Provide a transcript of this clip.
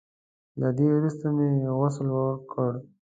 له دې وروسته مې غسل وکړ.